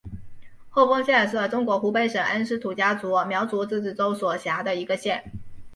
鹤峰县是中国湖北省恩施土家族苗族自治州所辖的一个县。